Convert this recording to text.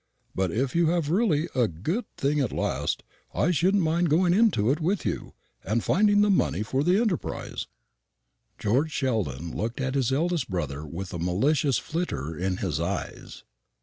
But if you have really got a good thing at last, I shouldn't mind going into it with you, and finding the money for the enterprise." George Sheldon looked at his elder brother with a malicious flitter in his eyes.